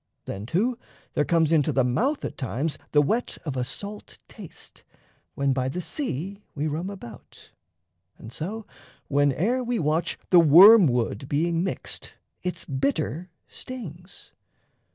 Then, too, there comes into the mouth at times The wet of a salt taste, when by the sea We roam about; and so, whene'er we watch The wormwood being mixed, its bitter stings.